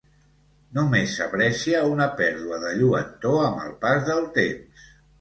Només s'aprecia una pèrdua de lluentor amb el pas del temps.